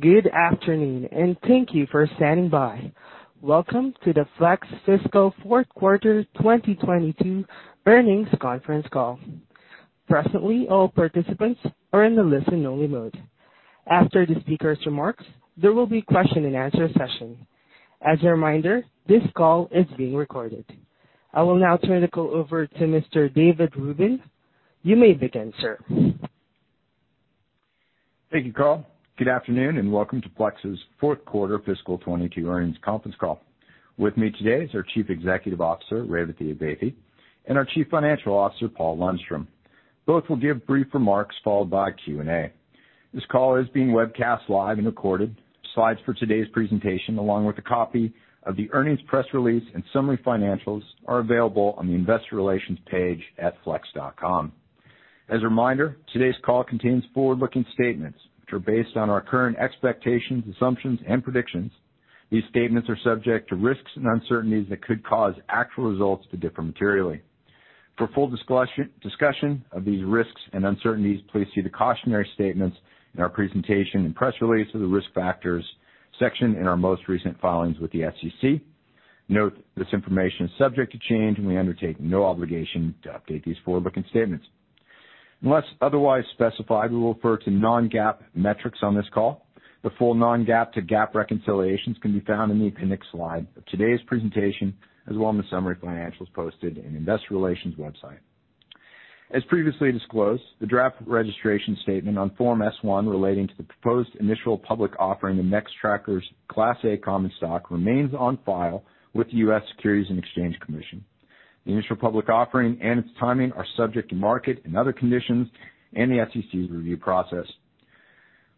Good afternoon and thank you for standing by. Welcome to the Flex fiscal Q4 2022 Earnings Conference Call. Presently, all participants are in the listen-only mode. After the speaker's remarks, there will be a question-and-answer session. As a reminder, this call is being recorded. I will now turn the call over to Mr. David Rubin. You may begin, sir. Thank you, Carl. Good afternoon, and welcome to Flex's Q4 fiscal 2022 Earnings Conference Call. With me today is our Chief Executive Officer, Revathi Advaithi, and our Chief Financial Officer, Paul Lundstrom. Both will give brief remarks followed by Q&A. This call is being webcast live and recorded. Slides for today's presentation, along with a copy of the earnings press release and summary financials, are available on the investor relations page at flex.com. As a reminder, today's call contains forward-looking statements, which are based on our current expectations, assumptions, and predictions. These statements are subject to risks and uncertainties that could cause actual results to differ materially. For full discussion of these risks and uncertainties, please see the cautionary statements in our presentation and press release of the Risk Factors section in our most recent filings with the SEC. Note this information is subject to change, and we undertake no obligation to update these forward-looking statements. Unless otherwise specified, we will refer to non-GAAP metrics on this call. The full non-GAAP to GAAP reconciliations can be found in the appendix slide of today's presentation, as well as in the summary financials posted in investor relations website. As previously disclosed, the draft registration statement on Form S-1 relating to the proposed initial public offering of Nextracker's Class A common stock remains on file with the U.S. Securities and Exchange Commission. The initial public offering and its timing are subject to market and other conditions and the SEC's review process.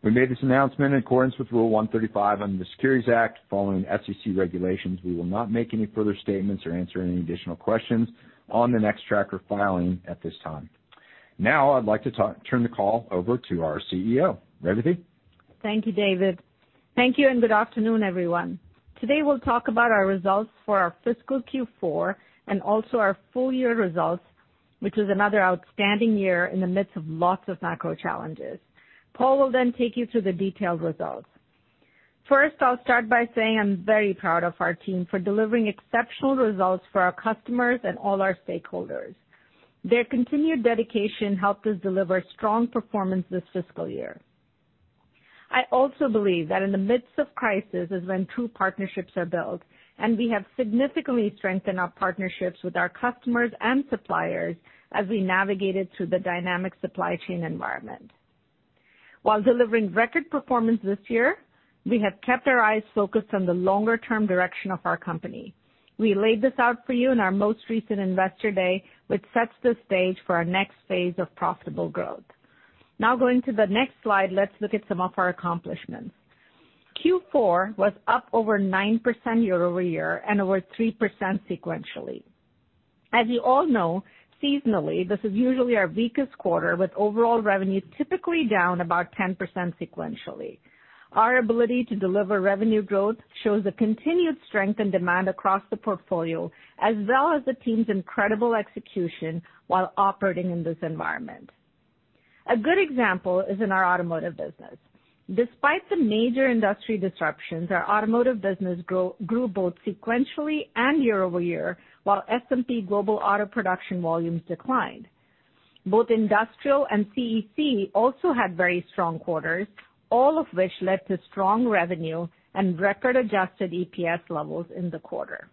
We made this announcement in accordance with Rule 135 under the Securities Act. Following SEC regulations, we will not make any further statements or answer any additional questions on the Nextracker filing at this time. Now I'd like to turn the call over to our CEO. Revathi? Thank you, David. Thank you, and good afternoon, everyone. Today, we'll talk about our results for our fiscal Q4 and also our full year results, which was another outstanding year in the midst of lots of macro challenges. Paul will then take you through the detailed results. First, I'll start by saying I'm very proud of our team for delivering exceptional results for our customers and all our stakeholders. Their continued dedication helped us deliver strong performance this fiscal year. I also believe that in the midst of crisis is when true partnerships are built, and we have significantly strengthened our partnerships with our customers and suppliers as we navigated through the dynamic supply chain environment. While delivering record performance this year, we have kept our eyes focused on the longer-term direction of our company. We laid this out for you in our most recent Investor Day, which sets the stage for our next phase of profitable growth. Now going to the next slide, let's look at some of our accomplishments. Q4 was up over 9% year-over-year and over 3% sequentially. As you all know, seasonally, this is usually our weakest quarter, with overall revenue typically down about 10% sequentially. Our ability to deliver revenue growth shows the continued strength and demand across the portfolio as well as the team's incredible execution while operating in this environment. A good example is in our automotive business. Despite some major industry disruptions, our automotive business grew both sequentially and year-over-year, while S&P Global auto production volumes declined. Both industrial and CEC also had very strong quarters, all of which led to strong revenue and record adjusted EPS levels in the quarter.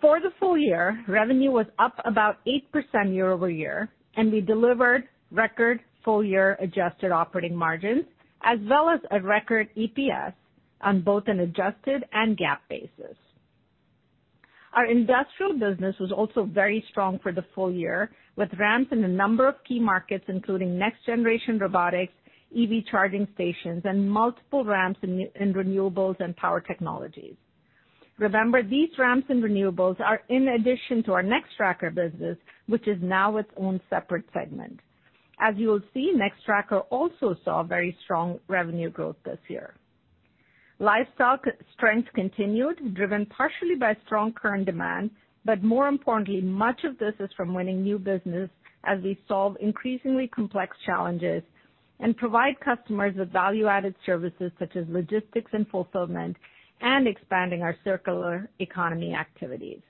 For the full year, revenue was up about 8% year-over-year, and we delivered record full year adjusted operating margins as well as a record EPS on both an adjusted and GAAP basis. Our industrial business was also very strong for the full year, with ramps in a number of key markets, including next-generation robotics, EV charging stations, and multiple ramps in renewables and power technologies. Remember, these ramps in renewables are in addition to our Nextracker business, which is now its own separate segment. As you will see, Nextracker also saw very strong revenue growth this year. Lifestyle strength continued, driven partially by strong current demand, but more importantly, much of this is from winning new business as we solve increasingly complex challenges and provide customers with value-added services such as logistics and fulfillment and expanding our circular economy activities.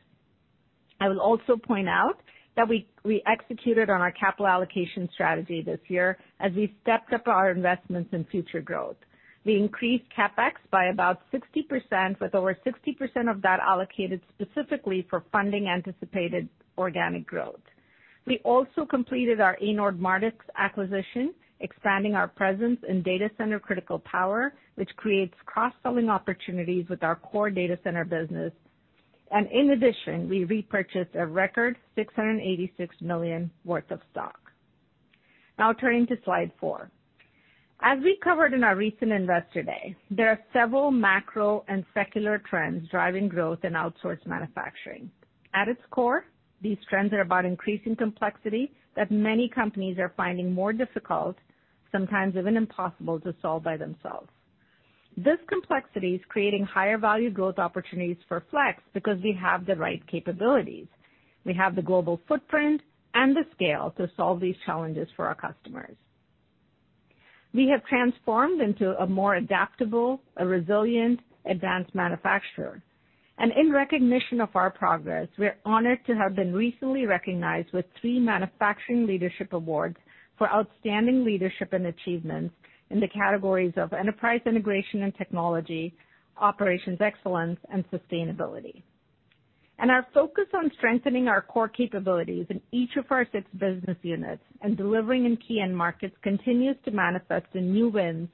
I will also point out that we executed on our capital allocation strategy this year as we stepped up our investments in future growth. We increased CapEx by about 60%, with over 60% of that allocated specifically for funding anticipated organic growth. We also completed our Anord Mardix acquisition, expanding our presence in data center critical power, which creates cross-selling opportunities with our core data center business. In addition, we repurchased a record $686 million worth of stock. Now turning to slide four. As we covered in our recent Investor Day, there are several macro and secular trends driving growth in outsourced manufacturing. At its core, these trends are about increasing complexity that many companies are finding more difficult, sometimes even impossible, to solve by themselves. This complexity is creating higher value growth opportunities for Flex because we have the right capabilities. We have the global footprint and the scale to solve these challenges for our customers. We have transformed into a more adaptable and resilient advanced manufacturer. In recognition of our progress, we are honored to have been recently recognized with three manufacturing leadership awards for outstanding leadership and achievements in the categories of enterprise integration and technology, operations excellence, and sustainability. Our focus on strengthening our core capabilities in each of our six business units and delivering in key end markets continues to manifest in new wins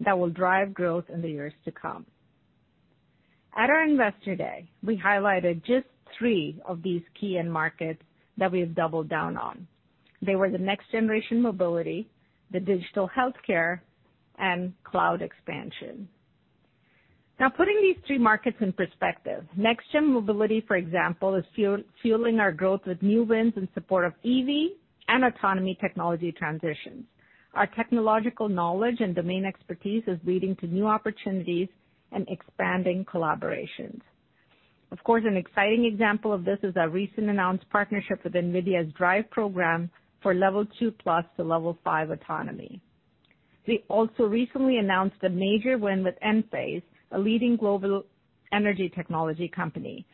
that will drive growth in the years to come. At our investor day, we highlighted just three of these key end markets that we have doubled down on. They were the next generation mobility, the digital healthcare, and cloud expansion. Now, putting these three markets in perspective, next gen mobility, for example, is fueling our growth with new wins in support of EV and autonomy technology transitions. Our technological knowledge and domain expertise is leading to new opportunities and expanding collaborations. Of course, an exciting example of this is our recently announced partnership with NVIDIA's DRIVE program for Level 2+ to Level 5 autonomy. We also recently announced a major win with Enphase, a leading global energy technology company.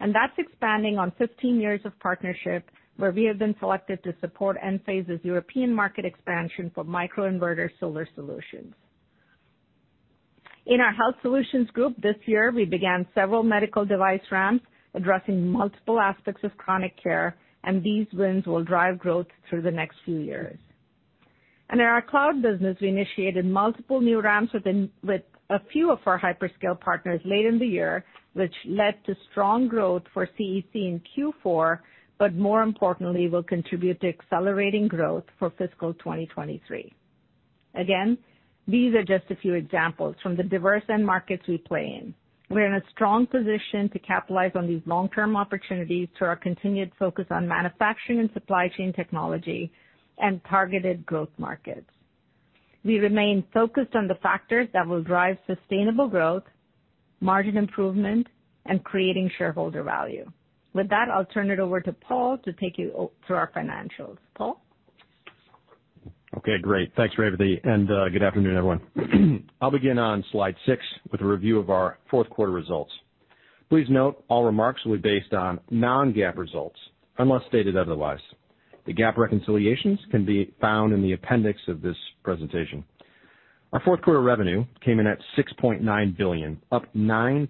That's expanding on 15 years of partnership where we have been selected to support Enphase's European market expansion for micro-inverter solar solutions. In our health solutions group this year, we began several medical device ramps addressing multiple aspects of chronic care, and these wins will drive growth through the next few years. In our cloud business, we initiated multiple new ramps with a few of our hyperscale partners late in the year, which led to strong growth for CEC in Q4, but more importantly, will contribute to accelerating growth for fiscal 2023. Again, these are just a few examples from the diverse end markets we play in. We're in a strong position to capitalize on these long-term opportunities through our continued focus on manufacturing and supply chain technology and targeted growth markets. We remain focused on the factors that will drive sustainable growth, margin improvement, and creating shareholder value. With that, I'll turn it over to Paul to take you through our financials. Paul? Okay. Great. Thanks, Revathi, and good afternoon, everyone. I'll begin on slide six with a review of our Q4 results. Please note all remarks will be based on non-GAAP results unless stated otherwise. The GAAP reconciliations can be found in the appendix of this presentation. Our Q4 revenue came in at $6.9 billion, up 9%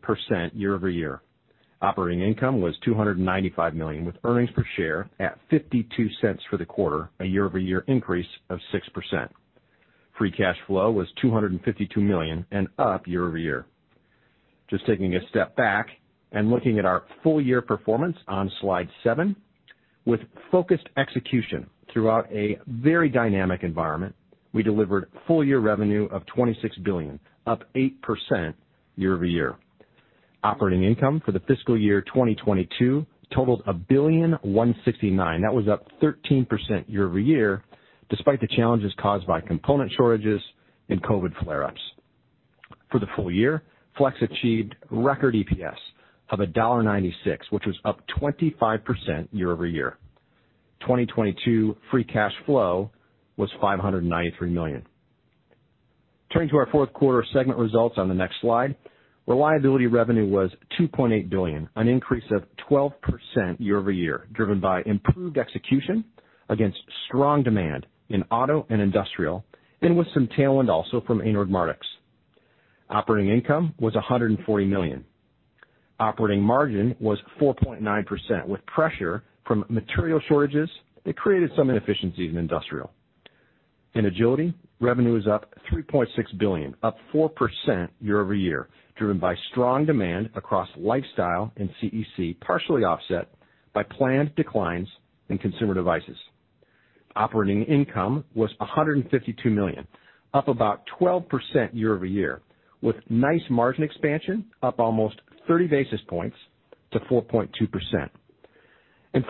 year-over-year. Operating income was $295 million, with earnings per share at $0.52 for the quarter, a year-over-year increase of 6%. Free cash flow was $252 million and up year-over-year. Just taking a step back and looking at our full year performance on slide seven. With focused execution throughout a very dynamic environment, we delivered full year revenue of $26 billion, up 8% year-over-year. Operating income for the fiscal year 2022 totaled $1.169 billion. That was up 13% year-over-year, despite the challenges caused by component shortages and COVID flare-ups. For the full year, Flex achieved record EPS of $1.96, which was up 25% year-over-year. 2022 free cash flow was $593 million. Turning to our Q4 segment results on the next slide. Reliability revenue was $2.8 billion, an increase of 12% year-over-year, driven by improved execution against strong demand in auto and industrial, and with some tailwind also from Anord Mardix. Operating income was $140 million. Operating margin was 4.9%, with pressure from material shortages that created some inefficiencies in industrial. In Agility, revenue is up $3.6 billion, up 4% year-over-year, driven by strong demand across Lifestyle and CEC, partially offset by planned declines in Consumer Devices. Operating income was $152 million, up about 12% year-over-year, with nice margin expansion, up almost 30 basis points to 4.2%.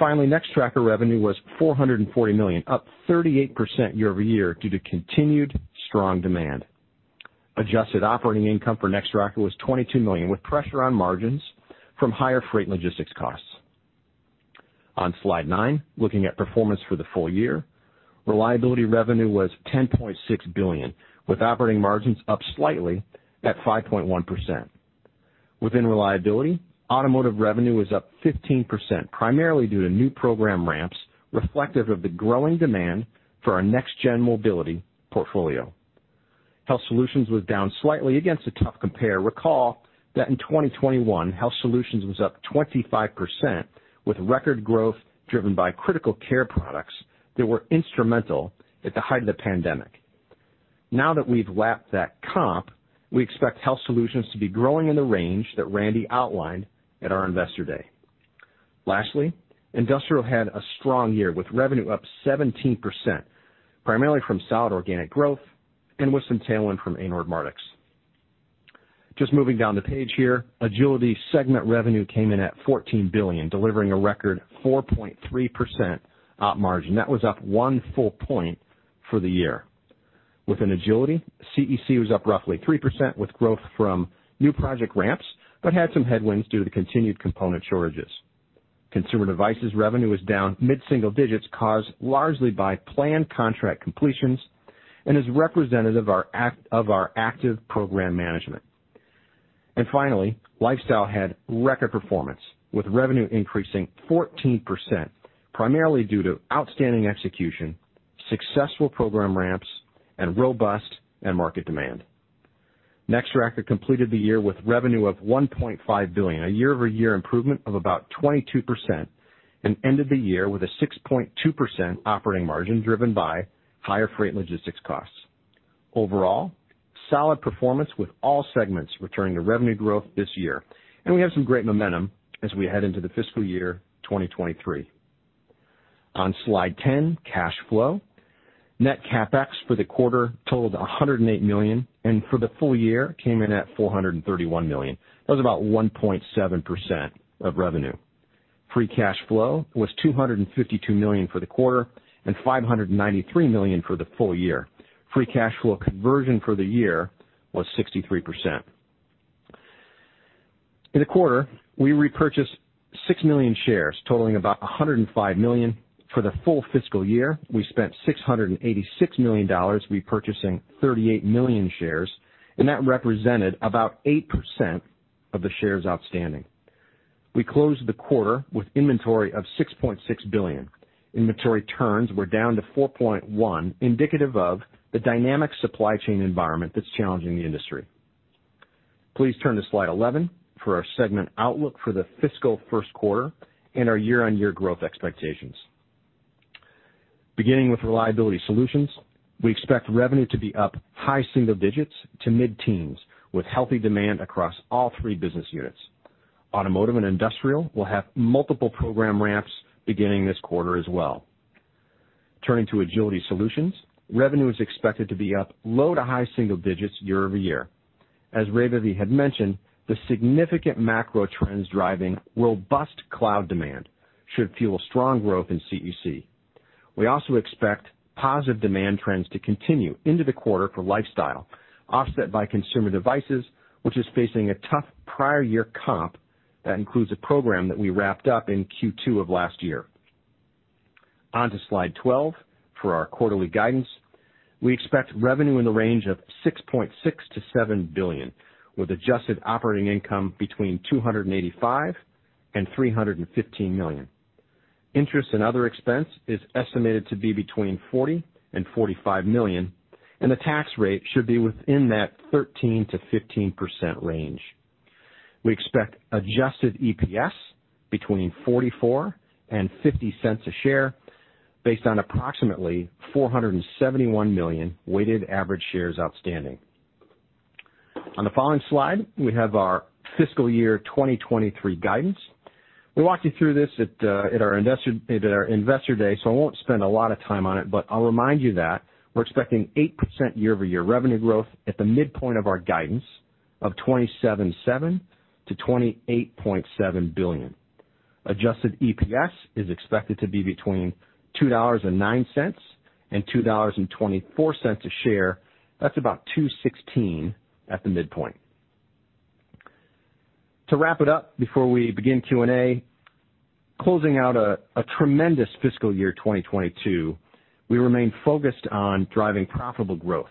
Finally, Nextracker revenue was $440 million, up 38% year-over-year due to continued strong demand. Adjusted operating income for Nextracker was $22 million, with pressure on margins from higher freight logistics costs. On slide nine, looking at performance for the full year. Reliability revenue was $10.6 billion, with operating margins up slightly at 5.1%. Within Reliability, automotive revenue is up 15%, primarily due to new program ramps reflective of the growing demand for our next-gen mobility portfolio. Health Solutions was down slightly against a tough compare. Recall that in 2021, Health Solutions was up 25%, with record growth driven by critical care products that were instrumental at the height of the pandemic. Now that we've lapped that comp, we expect Health Solutions to be growing in the range that Randy outlined at our Investor Day. Lastly, Industrial had a strong year, with revenue up 17%, primarily from solid organic growth and with some tailwind from Anord Mardix. Just moving down the page here. Agility segment revenue came in at $14 billion, delivering a record 4.3% op margin. That was up 1 full point for the year. Within Agility, CEC was up roughly 3% with growth from new project ramps, but had some headwinds due to the continued component shortages. Consumer devices revenue was down mid-single digits, caused largely by planned contract completions and is representative of our active program management. Finally, Lifestyle had record performance, with revenue increasing 14%, primarily due to outstanding execution, successful program ramps, and robust end market demand. Nextracker completed the year with revenue of $1.5 billion, a year-over-year improvement of about 22%, and ended the year with a 6.2% operating margin, driven by higher freight logistics costs. Overall, solid performance with all segments returning to revenue growth this year, and we have some great momentum as we head into the fiscal year 2023. On slide 10, cash flow. Net CapEx for the quarter totaled $108 million, and for the full year came in at $431 million. That was about 1.7% of revenue. Free cash flow was $252 million for the quarter and $593 million for the full year. Free cash flow conversion for the year was 63%. In the quarter, we repurchased 6 million shares, totaling about $105 million. For the full fiscal year, we spent $686 million repurchasing 38 million shares, and that represented about 8% of the shares outstanding. We closed the quarter with inventory of $6.6 billion. Inventory turns were down to 4.1, indicative of the dynamic supply chain environment that's challenging the industry. Please turn to slide 11 for our segment outlook for the fiscal Q1 and our year-on-year growth expectations. Beginning with Reliability Solutions, we expect revenue to be up high single digits to mid-teens, with healthy demand across all three business units. Automotive and Industrial will have multiple program ramps beginning this quarter as well. Turning to Agility Solutions, revenue is expected to be up low to high single digits year-over-year. As Revathi had mentioned, the significant macro trends driving robust cloud demand should fuel strong growth in CEC. We also expect positive demand trends to continue into the quarter for Lifestyle, offset by Consumer Devices, which is facing a tough prior year comp that includes a program that we wrapped up in Q2 of last year. On to slide 12 for our quarterly guidance. We expect revenue in the range of $6.6-$7 billion, with adjusted operating income between $285-$315 million. Interest and other expense is estimated to be between $40 million-$45 million, and the tax rate should be within that 13%-15% range. We expect adjusted EPS between $0.44 and $0.50 a share based on approximately 471 million weighted average shares outstanding. On the following slide, we have our fiscal year 2023 guidance. We walked you through this at our Investor Day, so I won't spend a lot of time on it, but I'll remind you that we're expecting 8% year-over-year revenue growth at the midpoint of our guidance of $27.7 billion-$28.7 billion. Adjusted EPS is expected to be between $2.09 and $2.24 a share. That's about $2.16 at the midpoint. To wrap it up before we begin Q&A, closing out a tremendous fiscal year 2022, we remain focused on driving profitable growth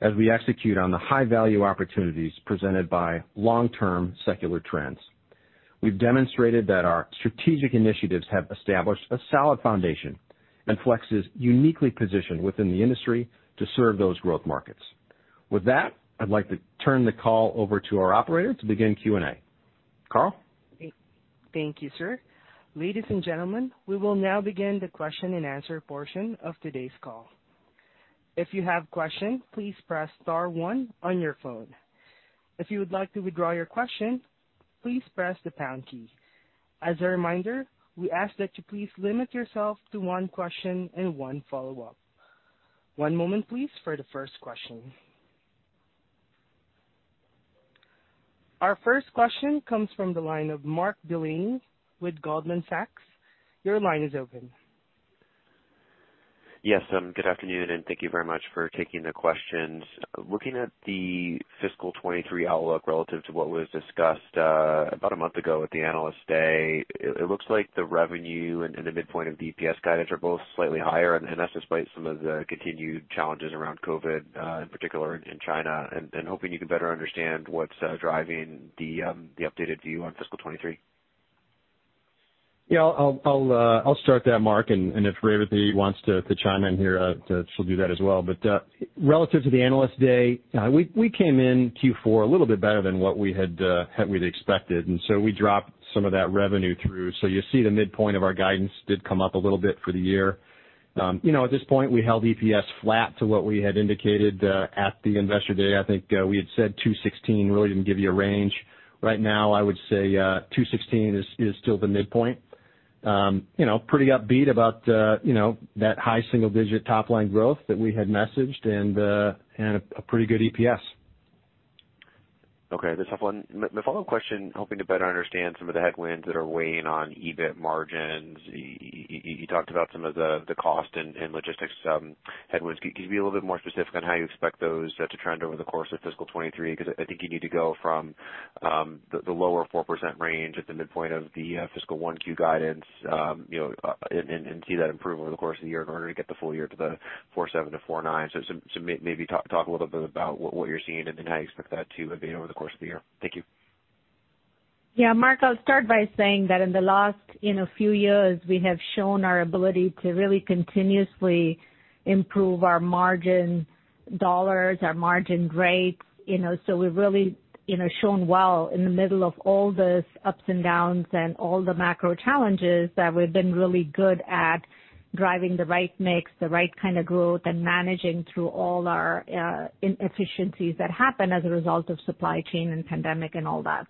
as we execute on the high-value opportunities presented by long-term secular trends. We've demonstrated that our strategic initiatives have established a solid foundation, and Flex is uniquely positioned within the industry to serve those growth markets. With that, I'd like to turn the call over to our operator to begin Q&A. Carl? Thank you, sir. Ladies and gentlemen, we will now begin the question-and-answer portion of today's call. If you have questions, please press star one on your phone. If you would like to withdraw your question, please press the pound key. As a reminder, we ask that you please limit yourself to one question and one follow-up. One moment please for the first question. Our first question comes from the line of Mark Delaney with Goldman Sachs. Your line is open. Yes, good afternoon, and thank you very much for taking the questions. Looking at the fiscal 2023 outlook relative to what was discussed about a month ago at the Analyst Day, it looks like the revenue and the midpoint of DPS guidance are both slightly higher, and that's despite some of the continued challenges around COVID in particular in China. Hoping you can better understand what's driving the updated view on fiscal 2023. Yeah, I'll start that, Mark. If Revathi wants to chime in here, she'll do that as well. Relative to the Analyst Day, we came in Q4 a little bit better than what we'd expected, and so we dropped some of that revenue through. You see the midpoint of our guidance did come up a little bit for the year. You know, at this point, we held EPS flat to what we had indicated at the Investor Day. I think we had said $2.16, really didn't give you a range. Right now, I would say $2.16 is still the midpoint. You know, pretty upbeat about you know, that high single digit top line growth that we had messaged and a pretty good EPS. Okay. My follow-up question, hoping to better understand some of the headwinds that are weighing on EBIT margins. You talked about some of the cost and logistics headwinds. Could you be a little bit more specific on how you expect those to trend over the course of fiscal 2023? Because I think you need to go from the lower 4% range at the midpoint of the fiscal Q1 guidance, you know, and see that improve over the course of the year in order to get the full year to the 4.7%-4.9%. Maybe talk a little bit about what you're seeing and then how you expect that to behave over the course of the year. Thank you. Yeah, Mark, I'll start by saying that in the last, you know, few years, we have shown our ability to really continuously improve our margin dollars, our margin rates, you know. We've really, you know, shown well in the middle of all this ups and downs and all the macro challenges, that we've been really good at driving the right mix, the right kind of growth, and managing through all our inefficiencies that happen as a result of supply chain and pandemic and all that.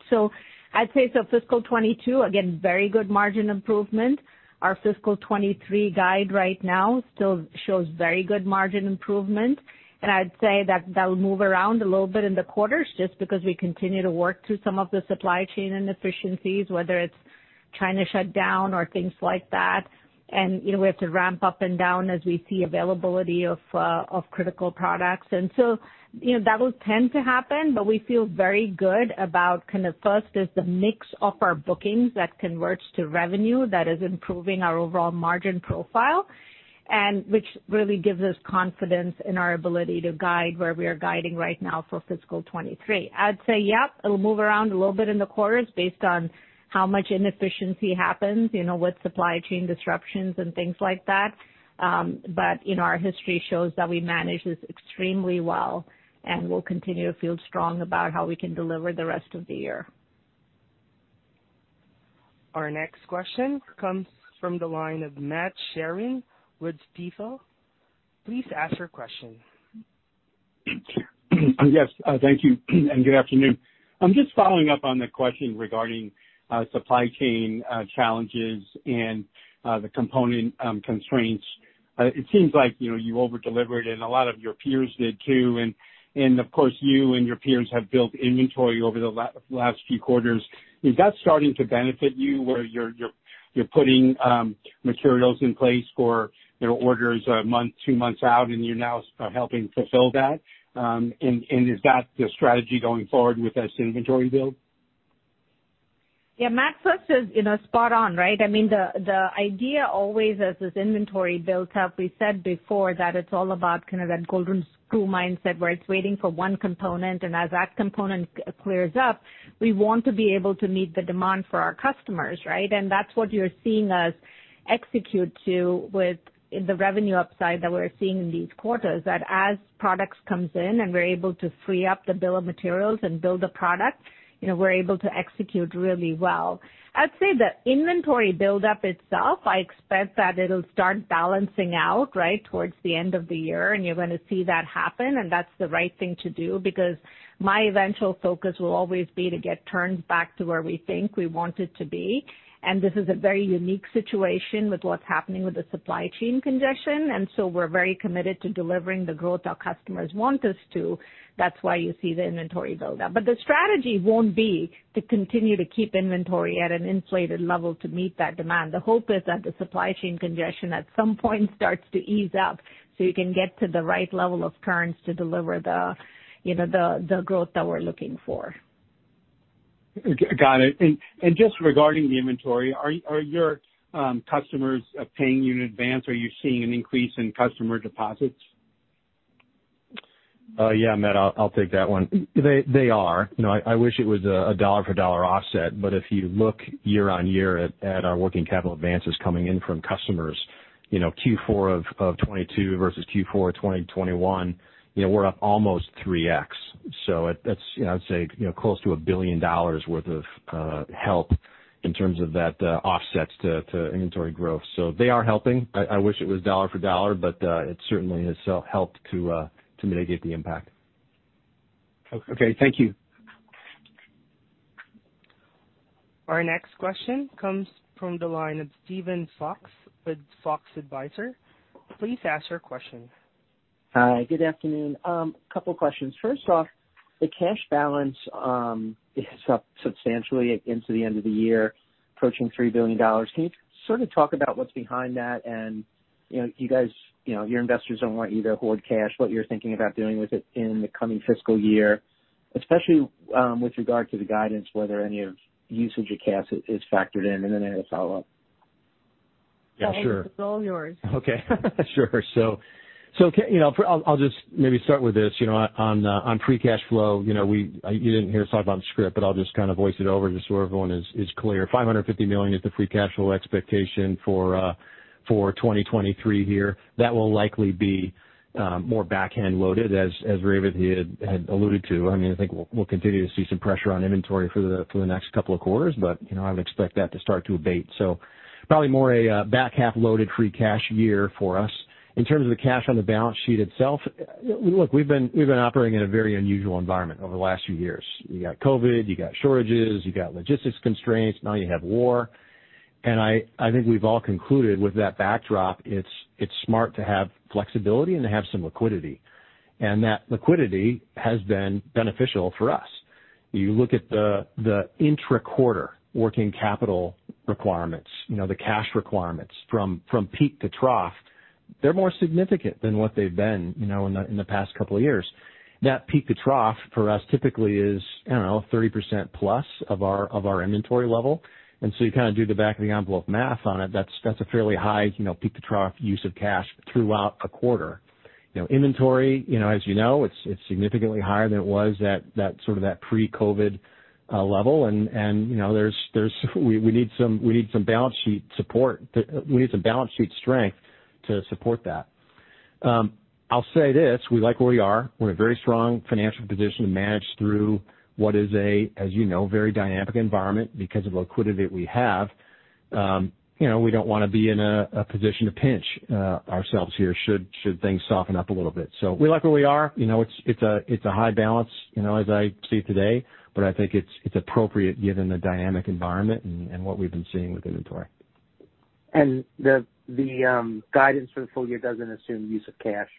I'd say fiscal 2022, again, very good margin improvement. Our fiscal 2023 guide right now still shows very good margin improvement. I'd say that'll move around a little bit in the quarters just because we continue to work through some of the supply chain inefficiencies, whether it's China shutdown or things like that. You know, we have to ramp up and down as we see availability of critical products. You know, that will tend to happen, but we feel very good about kind of first is the mix of our bookings that converts to revenue that is improving our overall margin profile, and which really gives us confidence in our ability to guide where we are guiding right now for fiscal 2023. I'd say, yep, it'll move around a little bit in the quarters based on how much inefficiency happens, you know, with supply chain disruptions and things like that. You know, our history shows that we manage this extremely well, and we'll continue to feel strong about how we can deliver the rest of the year. Our next question comes from the line of Matt Sheerin with Stifel. Please ask your question. Yes, thank you and good afternoon. I'm just following up on the question regarding supply chain challenges and the component constraints. It seems like, you know, you over-delivered and a lot of your peers did too. Of course, you and your peers have built inventory over the last few quarters. Is that starting to benefit you, where you're putting materials in place for, you know, orders a month, two months out, and you're now helping fulfill that? Is that the strategy going forward with this inventory build? Yeah, Matt, first is, you know, spot on, right? I mean, the idea always has this inventory builds up, we said before that it's all about kind of that golden screw mindset, where it's waiting for one component, and as that component clears up, we want to be able to meet the demand for our customers, right? That's what you're seeing us execute to with the revenue upside that we're seeing in these quarters, that as products comes in and we're able to free up the bill of materials and build the product, you know, we're able to execute really well. I'd say the inventory buildup itself, I expect that it'll start balancing out, right, towards the end of the year, and you're gonna see that happen, and that's the right thing to do because my eventual focus will always be to get turns back to where we think we want it to be. This is a very unique situation with what's happening with the supply chain congestion, and so we're very committed to delivering the growth our customers want us to. That's why you see the inventory buildup. The strategy won't be to continue to keep inventory at an inflated level to meet that demand. The hope is that the supply chain congestion at some point starts to ease up, so you can get to the right level of turns to deliver the, you know, the growth that we're looking for. Got it. Just regarding the inventory, are your customers paying you in advance? Are you seeing an increase in customer deposits? Matt, I'll take that one. They are. You know, I wish it was a dollar-for-dollar offset, but if you look year-on-year at our working capital advances coming in from customers, you know, Q4 of 2022 versus Q4 2021, you know, we're up almost 3x. So that's, you know, I'd say, you know, close to $1 billion worth of help in terms of that offsets to inventory growth. So they are helping. I wish it was dollar for dollar, but it certainly has helped to mitigate the impact. Okay. Thank you. Our next question comes from the line of Steven Fox with Fox Advisors. Please ask your question. Hi, good afternoon. Couple questions. First off, the cash balance is up substantially going into the end of the year, approaching $3 billion. Can you sort of talk about what's behind that? You know, you guys, you know, your investors don't want you to hoard cash, what you're thinking about doing with it in the coming fiscal year, especially, with regard to the guidance, whether any usage of cash is factored in. I have a follow-up. Yeah, sure. Steven is all yours. Okay. Sure. You know, I'll just maybe start with this. You know, on free cash flow, you know, you didn't hear us talk about the script, but I'll just kind of voice it over just so everyone is clear. $550 million is the free cash flow expectation for 2023 here. That will likely be more back-end loaded, as Revathi here had alluded to. I mean, I think we'll continue to see some pressure on inventory for the next couple of quarters. You know, I would expect that to start to abate. Probably more of a back-half loaded free cash year for us. In terms of the cash on the balance sheet itself, look, we've been operating in a very unusual environment over the last few years. You got COVID, you got shortages, you got logistics constraints. Now you have war. I think we've all concluded with that backdrop, it's smart to have flexibility and to have some liquidity. That liquidity has been beneficial for us. You look at the intra-quarter working capital requirements, you know, the cash requirements from peak to trough, they're more significant than what they've been, you know, in the past couple of years. That peak to trough for us typically is, I don't know, 30% plus of our inventory level. You kind of do the back of the envelope math on it, that's a fairly high, you know, peak to trough use of cash throughout a quarter. You know, inventory, you know, as you know, it's significantly higher than it was at that sort of pre-COVID level. You know, there's we need some balance sheet support. We need some balance sheet strength to support that. I'll say this, we like where we are. We're in a very strong financial position to manage through what is a very dynamic environment, as you know, because of the liquidity we have. You know, we don't wanna be in a position to pinch ourselves here should things soften up a little bit. We like where we are. You know, it's a high balance, you know, as I see it today, but I think it's appropriate given the dynamic environment and what we've been seeing with inventory. The guidance for the full year doesn't assume use of cash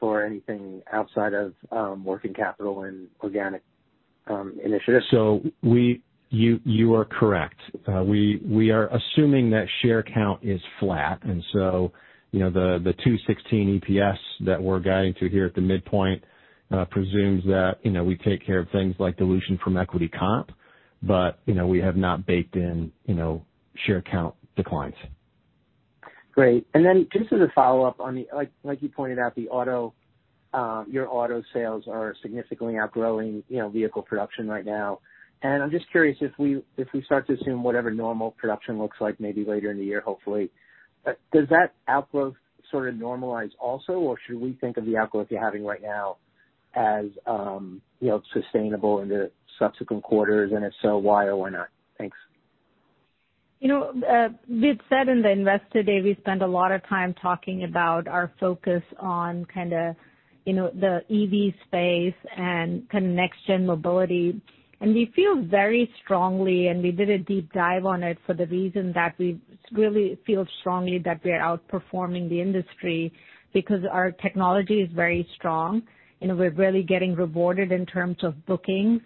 for anything outside of working capital and organic initiatives? You are correct. We are assuming that share count is flat, and so, you know, the 2.16 EPS that we're guiding to here at the midpoint presumes that, you know, we take care of things like dilution from equity comp, but, you know, we have not baked in, you know, share count declines. Great. Then just as a follow-up on the, like, you pointed out, the auto, your auto sales are significantly outgrowing, you know, vehicle production right now. I'm just curious if we start to assume whatever normal production looks like maybe later in the year, hopefully, does that outflow sort of normalize also? Or should we think of the outflow that you're having right now as, you know, sustainable into subsequent quarters? If so, why or why not? Thanks. You know, we've said in the Investor Day, we spent a lot of time talking about our focus on kinda, you know, the EV space and next-gen mobility. We feel very strongly, and we did a deep dive on it for the reason that we really feel strongly that we are outperforming the industry because our technology is very strong and we're really getting rewarded in terms of bookings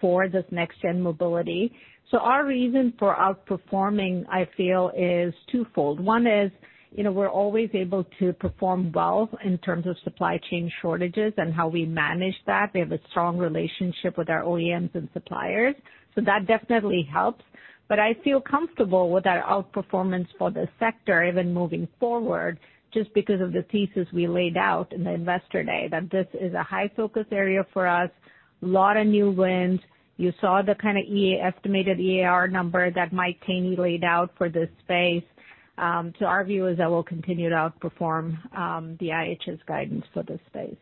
for this next-gen mobility. Our reason for outperforming, I feel, is twofold. One is, you know, we're always able to perform well in terms of supply chain shortages and how we manage that. We have a strong relationship with our OEMs and suppliers, so that definitely helps. I feel comfortable with our outperformance for the sector even moving forward just because of the thesis we laid out in the Investor Day, that this is a high focus area for us, lot of new wins. You saw the kinda estimated EAR number that Mike Thoeny laid out for this space. Our view is that we'll continue to outperform the IHS guidance for this space.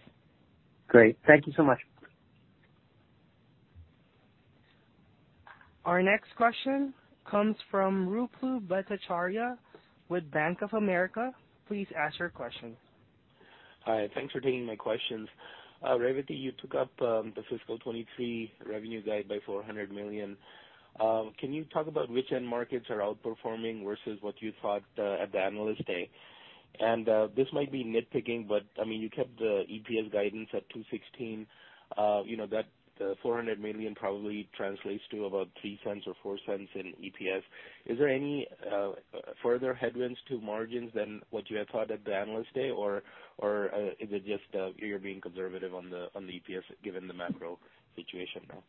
Great. Thank you so much. Our next question comes from Ruplu Bhattacharya with Bank of America. Please ask your question. Hi. Thanks for taking my questions. Revathi, you took up the fiscal 2023 revenue guide by $400 million. Can you talk about which end markets are outperforming versus what you thought at the Analyst Day? This might be nitpicking, but I mean, you kept the EPS guidance at $2.16. You know, that $400 million probably translates to about $0.03 or $0.04 in EPS. Is there any further headwinds to margins than what you had thought at the Analyst Day? Or is it just you're being conservative on the EPS given the macro situation now?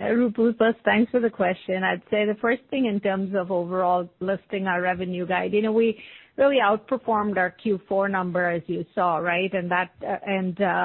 Ruplu Bhattacharya, thanks for the question. I'd say the first thing in terms of overall lifting our revenue guide, you know, we really outperformed our Q4 number, as you saw, right? That,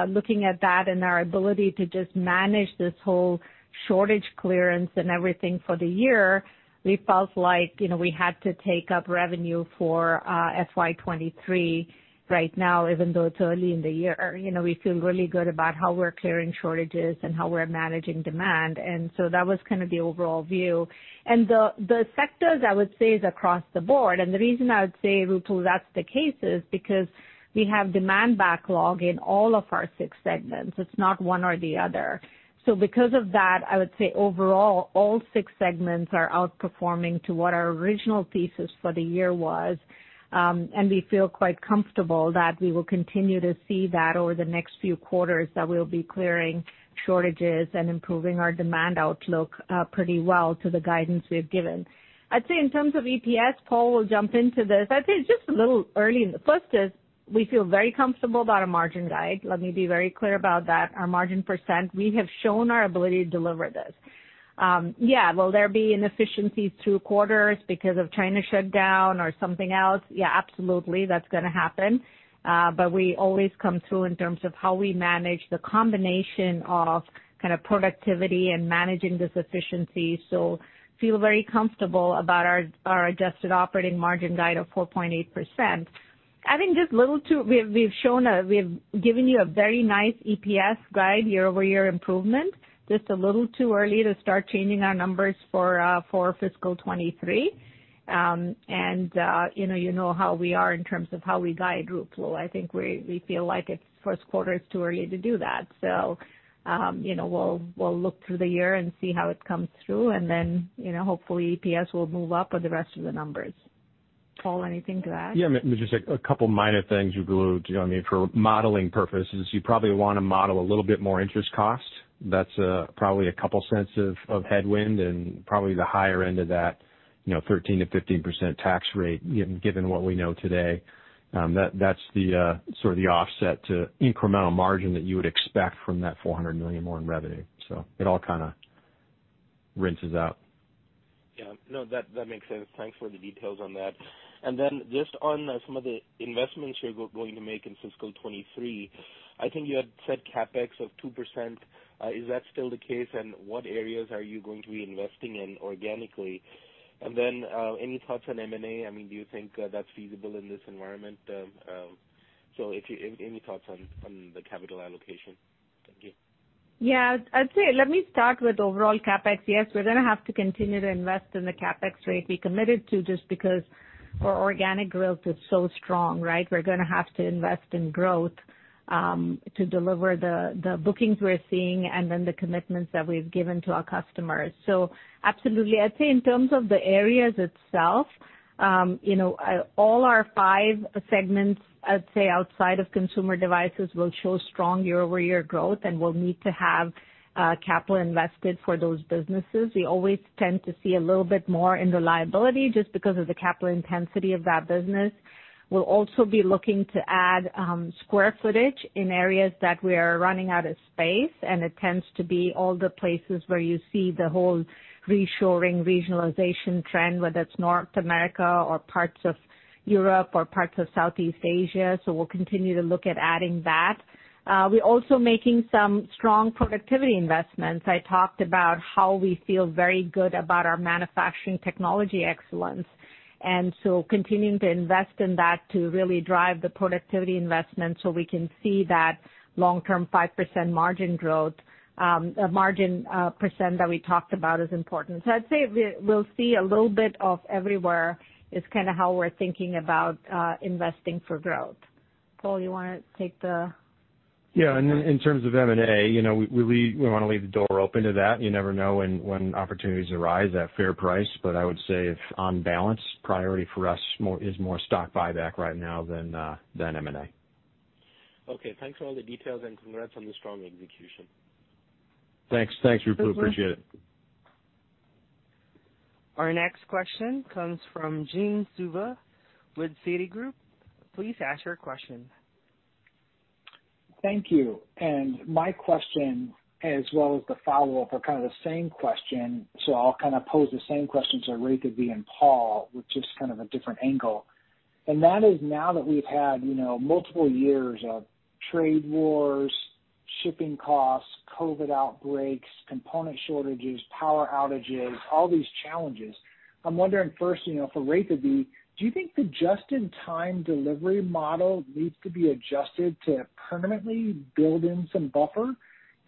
looking at that and our ability to just manage this whole shortage clearance and everything for the year, we felt like, you know, we had to take up revenue for FY 2023 right now, even though it's early in the year. You know, we feel really good about how we're clearing shortages and how we're managing demand, and so that was kind of the overall view. The sectors, I would say is accross the board and the reason I would say that's the case is because we have demand backlog in all of our six segments. It's not one or the other. Because of that, I would say overall, all six segments are outperforming to what our original thesis for the year was. We feel quite comfortable that we will continue to see that over the next few quarters, that we'll be clearing shortages and improving our demand outlook, pretty well to the guidance we have given. I'd say in terms of EPS, Paul will jump into this. I'd say it's just a little early in the Q1 as we feel very comfortable about our margin guide. Let me be very clear about that. Our margin percent, we have shown our ability to deliver this. Will there be inefficiencies through quarters because of China shutdown or something else? Yeah, absolutely. That's gonna happen. We always come through in terms of how we manage the combination of kind of productivity and managing this efficiency. Feel very comfortable about our adjusted operating margin guide of 4.8%. I think just a little too early to start changing our numbers for fiscal 2023. You know how we are in terms of how we guide Paul. I think we feel like it's Q1, it's too early to do that. You know, we'll look through the year and see how it comes through, and then, you know, hopefully EPS will move up with the rest of the numbers. Paul, anything to add? Yeah, just a couple minor things, Paul. I mean, for modeling purposes, you probably wanna model a little bit more interest cost. That's probably a couple cents of headwind and probably the higher end of that, you know, 13%-15% tax rate given what we know today. That's the sort of offset to incremental margin that you would expect from that $400 million more in revenue. It all kinda rinses out. Yeah. No, that makes sense. Thanks for the details on that. Just on some of the investments you're going to make in fiscal 2023, I think you had said CapEx of 2%. Is that still the case? What areas are you going to be investing in organically? Any thoughts on M&A? I mean, do you think that's feasible in this environment? Any thoughts on the capital allocation? Thank you. Yeah. I'd say let me start with overall CapEx. Yes, we're gonna have to continue to invest in the CapEx rate we committed to just because our organic growth is so strong, right? We're gonna have to invest in growth, to deliver the bookings we're seeing and then the commitments that we've given to our customers. Absolutely. I'd say in terms of the areas itself, you know, all our five segments, I'd say, outside of Consumer Devices will show strong year-over-year growth, and we'll need to have capital invested for those businesses. We always tend to see a little bit more in reliability just because of the capital intensity of that business. We'll also be looking to add square footage in areas that we are running out of space, and it tends to be all the places where you see the whole reshoring regionalization trend, whether it's North America or parts of Europe or parts of Southeast Asia. We'll continue to look at adding that. We're also making some strong productivity investments. I talked about how we feel very good about our manufacturing technology excellence, and so continuing to invest in that to really drive the productivity investment so we can see that long-term 5% margin growth, margin percent that we talked about is important. I'd say we'll see a little bit of everywhere is kinda how we're thinking about investing for growth. Paul, you wanna take the- Yeah. In terms of M&A, you know, we wanna leave the door open to that. You never know when opportunities arise at fair price. I would say on balance, priority for us is more stock buyback right now than M&A. Okay. Thanks for all the details, and congrats on the strong execution. Thanks. Thanks, Ruplu. Appreciate it. Mm-hmm. Our next question comes from Jim Suva with Citigroup. Please ask your question. Thank you. My question, as well as the follow-up, are kind of the same question. I'll kinda pose the same question to Revathi and Paul, with just kind of a different angle. That is now that we've had, you know, multiple years of trade wars, shipping costs, COVID outbreaks, component shortages, power outages, all these challenges, I'm wondering first, you know, for Revathi, do you think the just-in-time delivery model needs to be adjusted to permanently build in some buffer?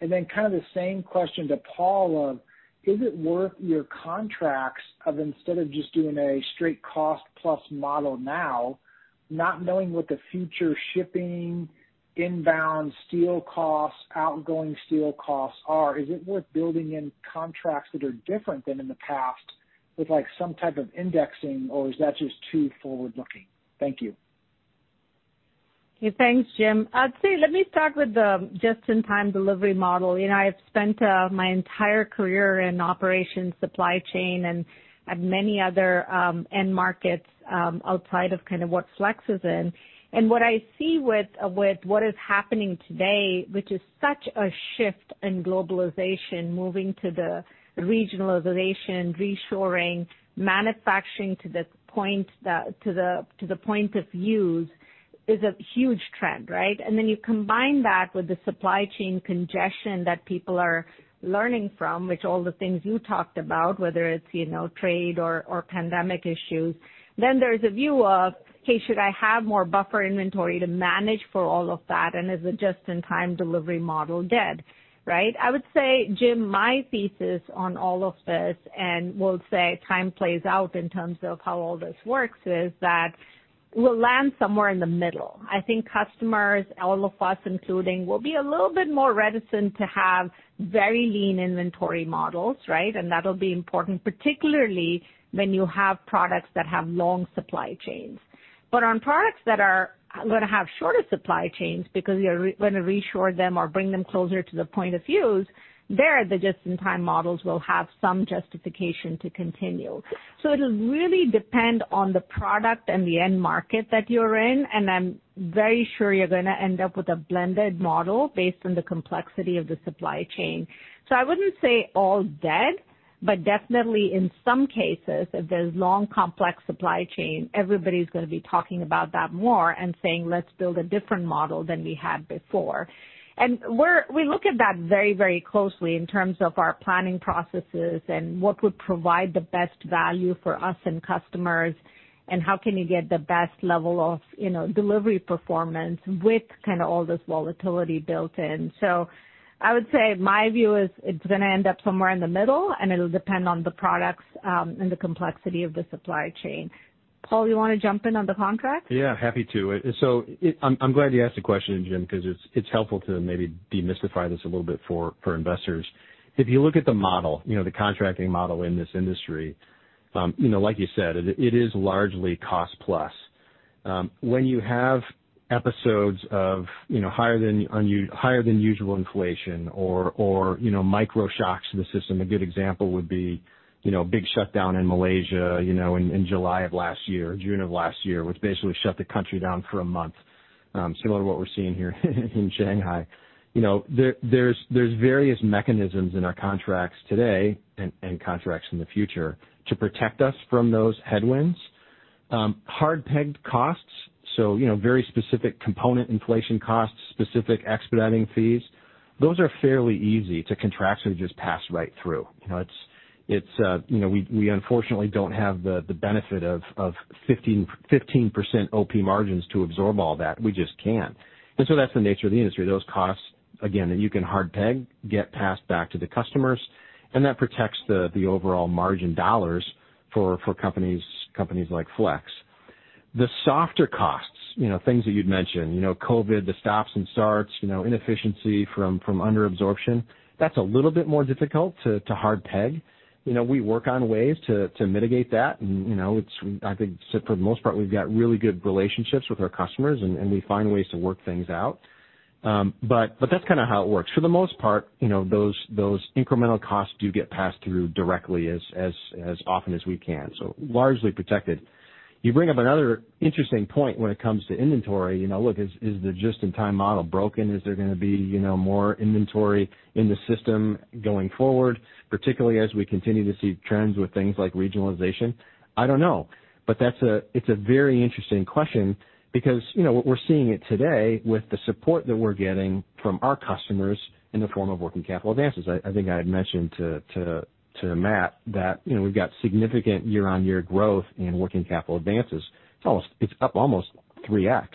Then kind of the same question to Paul of, is it worth your contracts of instead of just doing a straight cost plus model now, not knowing what the future shipping inbound steel costs, outgoing steel costs are, is it worth building in contracts that are different than in the past with like some type of indexing, or is that just too forward-looking? Thank you. Okay. Thanks, Jim. I'd say let me start with the just-in-time delivery model. You know, I've spent my entire career in operations supply chain and at many other end markets outside of kind of what Flex is in. What I see with what is happening today, which is such a shift in globalization, moving to the regionalization, reshoring, manufacturing to the point of use is a huge trend, right? Then you combine that with the supply chain congestion that people are learning from, which all the things you talked about, whether it's, you know, trade or pandemic issues, then there's a view of, okay, should I have more buffer inventory to manage for all of that? Is a just-in-time delivery model dead, right? I would say, Jim, my thesis on all of this, and we'll say time plays out in terms of how all this works, is that we'll land somewhere in the middle. I think customers, all of us including, will be a little bit more reticent to have very lean inventory models, right? That'll be important, particularly when you have products that have long supply chains. On products that are gonna have shorter supply chains because you're gonna reshore them or bring them closer to the point of use, there, the just-in-time models will have some justification to continue. It'll really depend on the product and the end market that you're in, and I'm very sure you're gonna end up with a blended model based on the complexity of the supply chain. I wouldn't say all dead, but definitely in some cases, if there's long, complex supply chain, everybody's gonna be talking about that more and saying, "Let's build a different model than we had before." We look at that very, very closely in terms of our planning processes and what would provide the best value for us and customers, and how can you get the best level of, you know, delivery performance with kinda all this volatility built in. I would say my view is it's gonna end up somewhere in the middle, and it'll depend on the products, and the complexity of the supply chain. Paul, you want to jump in on the contract? Yeah, happy to. I'm glad you asked the question, Jim, because it's helpful to maybe demystify this a little bit for investors. If you look at the model, you know, the contracting model in this industry, you know, like you said, it is largely cost plus. When you have episodes of, you know, higher than usual inflation or, you know, macro shocks in the system, a good example would be, you know, big shutdown in Malaysia, you know, in July of last year, June of last year, which basically shut the country down for a month, similar to what we're seeing here in Shanghai. You know, there's various mechanisms in our contracts today and contracts in the future to protect us from those headwinds. Hard pegged costs, you know, very specific component inflation costs, specific expediting fees, those are fairly easy to contractually just pass right through. You know, it's you know, we unfortunately don't have the benefit of 15% OP margins to absorb all that. We just can't. That's the nature of the industry. Those costs, again, that you can hard peg, get passed back to the customers, and that protects the overall margin dollars for companies like Flex. The softer costs, you know, things that you'd mentioned, you know, COVID, the stops and starts, you know, inefficiency from under absorption, that's a little bit more difficult to hard peg. You know, we work on ways to mitigate that, and you know, it's, I think so for the most part, we've got really good relationships with our customers and we find ways to work things out. That's kinda how it works. For the most part, you know, those incremental costs do get passed through directly as often as we can. Largely protected. You bring up another interesting point when it comes to inventory. You know, look, is the just-in-time model broken? Is there gonna be, you know, more inventory in the system going forward, particularly as we continue to see trends with things like regionalization? I don't know. That's a, it's a very interesting question because, you know, what we're seeing today with the support that we're getting from our customers in the form of working capital advances. I think I had mentioned to Matt that, you know, we've got significant year-on-year growth in working capital advances. It's up almost 3x.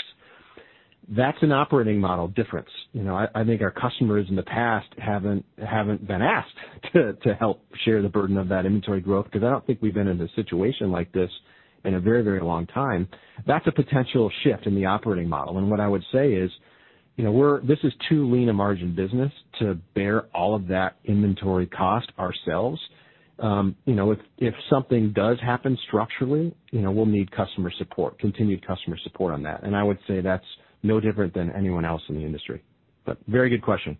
That's an operating model difference. You know, I think our customers in the past haven't been asked to help share the burden of that inventory growth because I don't think we've been in a situation like this in a very long time. That's a potential shift in the operating model. What I would say is, you know, this is too lean a margin business to bear all of that inventory cost ourselves. You know, if something does happen structurally, you know, we'll need customer support, continued customer support on that. I would say that's no different than anyone else in the industry. Very good question.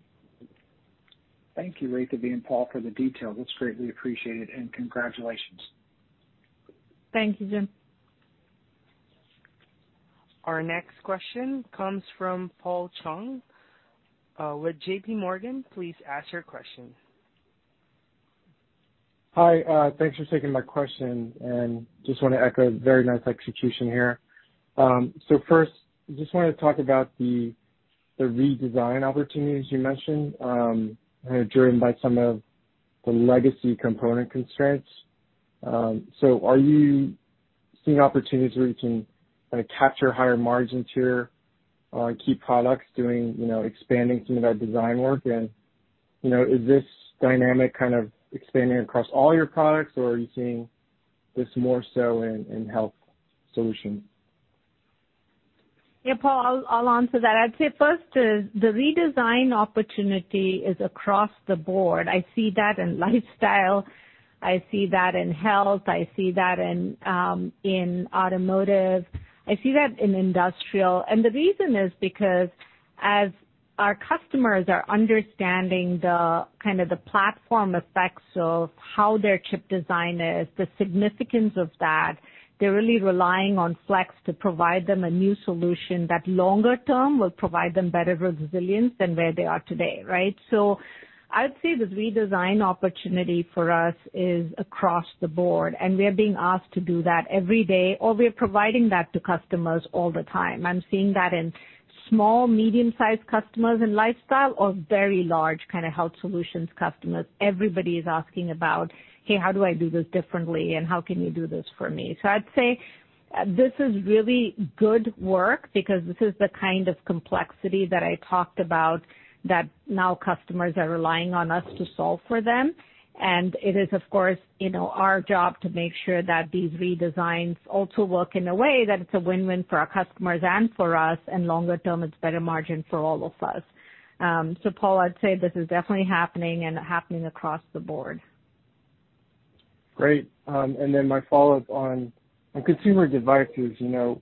Thank you, Revathi Advaithi and Paul Lundstrom for the detail. That's greatly appreciated and congratulations. Thank you, Jim. Our next question comes from Paul Chung, with JP Morgan. Please ask your question. Hi, thanks for taking my question. Just wanna echo very nice execution here. First, just wanna talk about the redesign opportunities you mentioned, kinda driven by some of the legacy component constraints. Are you seeing opportunities where you can kinda capture higher margins here on key products doing, you know, expanding some of that design work? You know, is this dynamic kind of expanding across all your products, or are you seeing this more so in health solutions? Yeah, Paul, I'll answer that. I'd say first is the redesign opportunity is across the board. I see that in Lifestyle, I see that in Health, I see that in Automotive, I see that in Industrial. The reason is because as our customers are understanding the kind of the platform effects of how their chip design is, the significance of that, they're really relying on Flex to provide them a new solution that longer term will provide them better resilience than where they are today, right? I would say the redesign opportunity for us is across the board, and we are being asked to do that every day, or we are providing that to customers all the time. I'm seeing that in small, medium-sized customers in Lifestyle or very large kind of Health solutions customers. Everybody is asking about, "Hey, how do I do this differently, and how can you do this for me?" I'd say this is really good work because this is the kind of complexity that I talked about that now customers are relying on us to solve for them. It is, of course, you know, our job to make sure that these redesigns also work in a way that it's a win-win for our customers and for us, and longer term, it's better margin for all of us. Paul, I'd say this is definitely happening and happening across the board. Great. My follow-up on Consumer Devices, you know,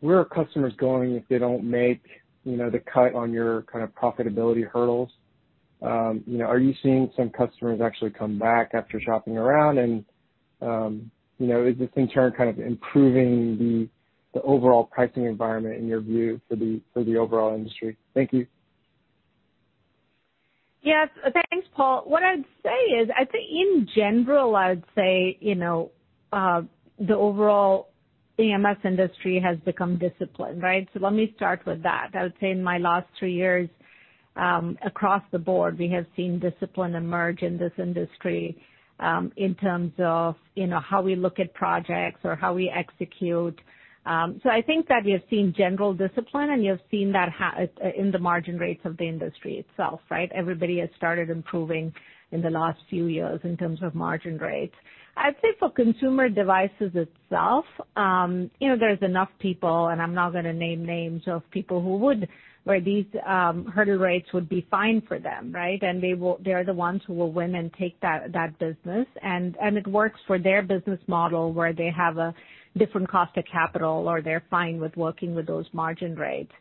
where are customers going if they don't make, you know, the cut on your kind of profitability hurdles? You know, are you seeing some customers actually come back after shopping around? You know, is this in turn kind of improving the overall pricing environment in your view for the overall industry? Thank you. Yes. Thanks, Paul. What I'd say is, I think in general, I would say, you know, the overall EMS industry has become disciplined, right? Let me start with that. I would say in my last three years, across the board, we have seen discipline emerge in this industry, in terms of, you know, how we look at projects or how we execute, so I think that you're seeing general discipline, and you're seeing that in the margin rates of the industry itself, right? Everybody has started improving in the last few years in terms of margin rates. I'd say for consumer devices itself, you know, there's enough people, and I'm not gonna name names of people who would, where these hurdle rates would be fine for them, right? They are the ones who will win and take that business. It works for their business model where they have a different cost of capital, or they're fine with working with those margin rates.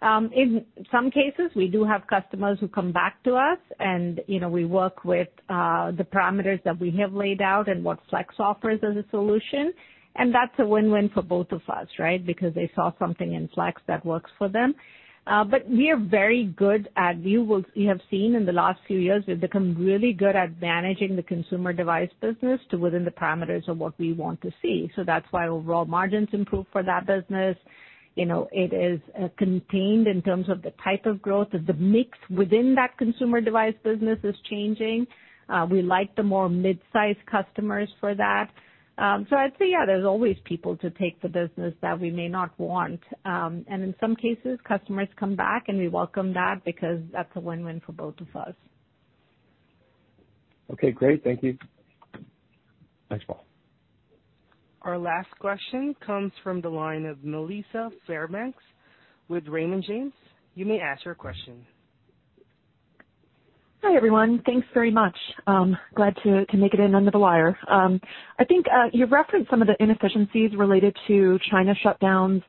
In some cases, we do have customers who come back to us, and you know, we work with the parameters that we have laid out and what Flex offers as a solution. That's a win-win for both of us, right? Because they saw something in Flex that works for them. You have seen in the last few years, we've become really good at managing the consumer device business to within the parameters of what we want to see. That's why overall margins improve for that business. You know, it is contained in terms of the type of growth. The mix within that consumer device business is changing. We like the more mid-size customers for that. So I'd say, yeah, there's always people to take the business that we may not want. In some cases, customers come back, and we welcome that because that's a win-win for both of us. Okay, great. Thank you. Thanks, Paul. Our last question comes from the line of Melissa Fairbanks with Raymond James. You may ask your question. Hi, everyone. Thanks very much. Glad to make it in under the wire. I think you referenced some of the inefficiencies related to China shutdowns,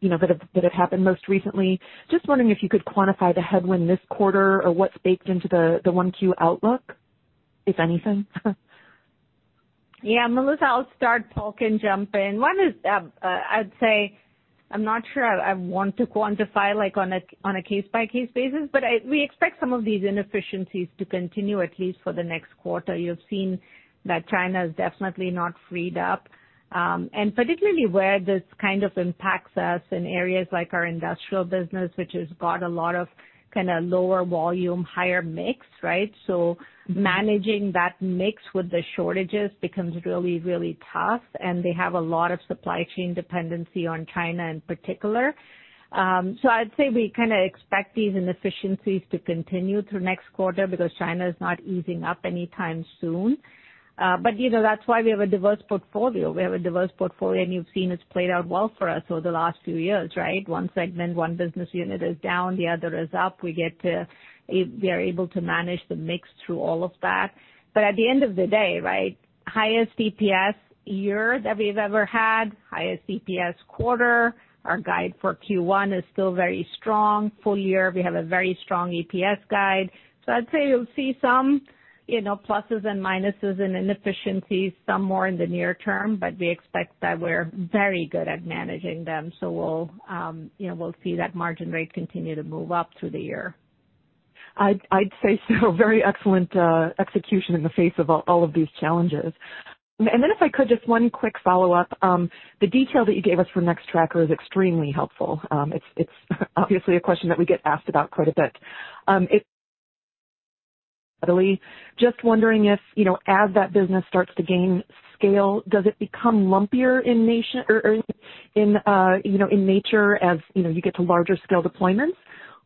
you know, that have happened most recently. Just wondering if you could quantify the headwind this quarter or what's baked into the Q1 outlook, if anything? Yeah, Melissa, I'll start. Paul can jump in. One is, I'd say I'm not sure I want to quantify like on a case-by-case basis, but we expect some of these inefficiencies to continue at least for the next quarter. You have seen that China is definitely not freed up. Particularly where this kind of impacts us in areas like our industrial business, which has got a lot of kinda lower volume, higher mix, right? So managing that mix with the shortages becomes really, really tough, and they have a lot of supply chain dependency on China in particular. I'd say we kinda expect these inefficiencies to continue through next quarter because China is not easing up anytime soon. You know, that's why we have a diverse portfolio. We have a diverse portfolio, and you've seen it's played out well for us over the last few years, right? One segment, one business unit is down, the other is up. We are able to manage the mix through all of that. At the end of the day, right, highest EPS year that we've ever had, highest EPS quarter. Our guide for Q1 is still very strong. Full year, we have a very strong EPS guide. I'd say you'll see some, you know, pluses and minuses in inefficiencies, some more in the near term, but we expect that we're very good at managing them. We'll, you know, we'll see that margin rate continue to move up through the year. I'd say so. Very excellent execution in the face of all of these challenges. Then if I could, just one quick follow-up. The detail that you gave us for Nextracker is extremely helpful. It's obviously a question that we get asked about quite a bit. Just wondering if, you know, as that business starts to gain scale, does it become lumpier in nature as, you know, you get to larger scale deployments?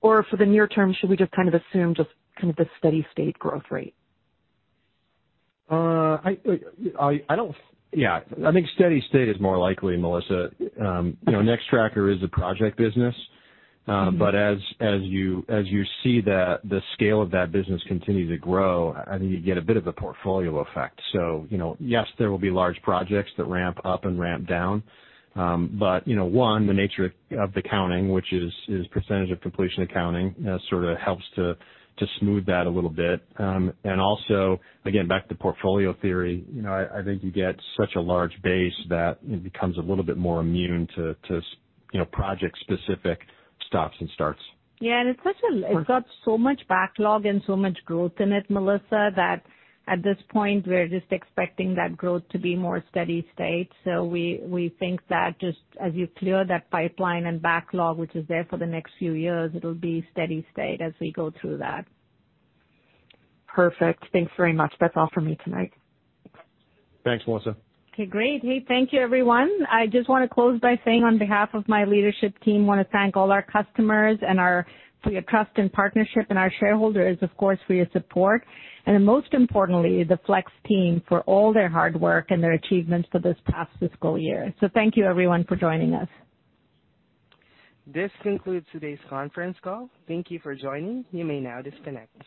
Or for the near term, should we just kind of assume just kind of the steady state growth rate? Yeah. I think steady state is more likely, Melissa. You know, Nextracker is a project business. As you see the scale of that business continue to grow, I think you get a bit of a portfolio effect. You know, yes, there will be large projects that ramp up and ramp down. You know, one, the nature of the accounting, which is percentage of completion accounting, sort of helps to smooth that a little bit. Also, again, back to portfolio theory, you know, I think you get such a large base that it becomes a little bit more immune to, you know, project-specific stops and starts. Yeah, it's such a. Or- It's got so much backlog and so much growth in it, Melissa, that at this point, we're just expecting that growth to be more steady state. We think that just as you clear that pipeline and backlog, which is there for the next few years, it'll be steady state as we go through that. Perfect. Thanks very much. That's all for me tonight. Thanks, Melissa. Okay, great. Hey, thank you, everyone. I just wanna close by saying on behalf of my leadership team, wanna thank all our customers for your trust and partnership and our shareholders, of course, for your support. Most importantly, the Flex team for all their hard work and their achievements for this past fiscal year. Thank you, everyone, for joining us. This concludes today's conference call. Thank you for joining. You may now disconnect.